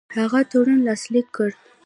هغه تړون لاسلیک کړ.